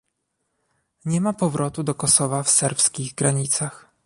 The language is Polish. Nie ma powrotu do Kosowa w serbskich granicach